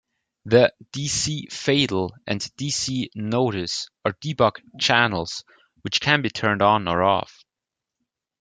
The 'dc::fatal' and 'dc::notice' are debug 'channels', which can be turned on or off.